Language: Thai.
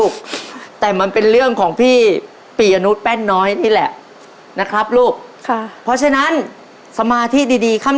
เก่งค่ะค่ะค่ะค่ะ